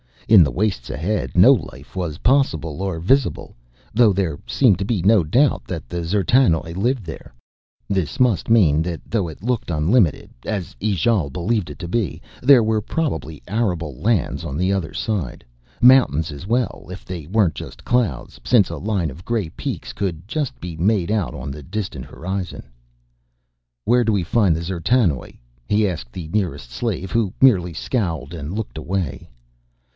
In the wastes ahead no life was possible or visible, though there seemed to be no doubt that the D'zertanoj lived there. This must mean that though it looked unlimited as Ijale believed it to be there were probably arable lands on the other side. Mountains as well, if they weren't just clouds, since a line of gray peaks could just be made out on the distant horizon. "Where do we find the D'zertanoj?" he asked the nearest slave who merely scowled and looked away.